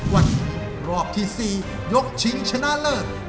วันนี้รอบที่๔ยกชิงชนะเลิศ